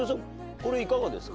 これいかがですか？